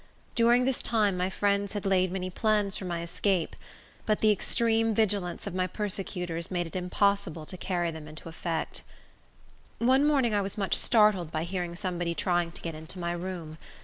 During this time, my friends had laid many plans for my escape, but the extreme vigilance of my persecutors made it impossible to carry them into effect. One morning I was much startled by hearing somebody trying to get into my room.